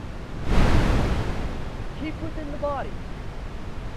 Keep within the body!